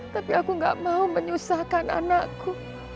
tapi aku gak mau menyusahkan anakku